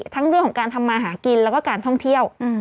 ทั้งเรื่องของการทำมาหากินแล้วก็การท่องเที่ยว